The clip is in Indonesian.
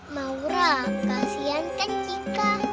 maura kasihan kan cika